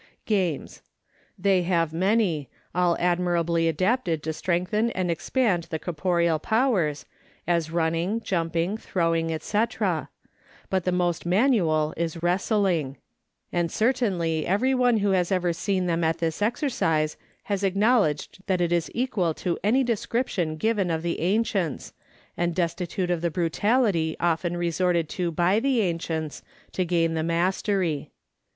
Games. They have many, all admirably adapted to strengthen and expand the corporeal powers, as running, jumping, throwing, &c.; but the most manual is wrestling; and certainly every one who has ever seen them at this exercise has acknowledged that it is equal to any description given of the ancients, and destitute of the brutality often resorted to by the ancients, to gain the mastery.